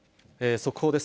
速報です。